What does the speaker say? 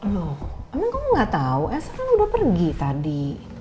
loh amin kamu ga tau elsa kan udah pergi tadi